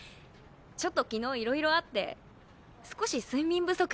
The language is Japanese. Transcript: ちょっと昨日いろいろあって少し睡眠不足なだけ。